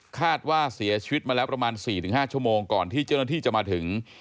คาดว่าเสียชีวิตมาแล้วประมาณ๔๕ชั่วโมงก่อนที่เจ้าหน้าที่จะมาถึง